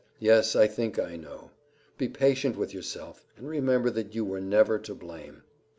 Yes, I think I know. Be patient with yourself, and remember that you were never to blame."